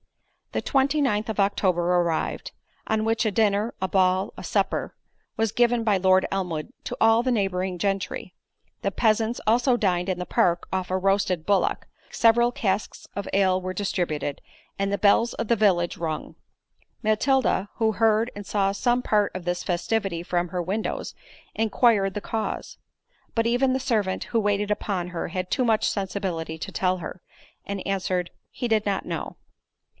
The twenty ninth of October arrived; on which a dinner, a ball, and supper, was given by Lord Elmwood to all the neighbouring gentry—the peasants also dined in the park off a roasted bullock, several casks of ale were distributed, and the bells of the village rung. Matilda, who heard and saw some part of this festivity from her windows, inquired the cause; but even the servant who waited upon her had too much sensibility to tell her, and answered, "He did not know."